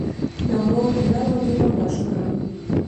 د مور نرمه ژبه ماشوم اراموي.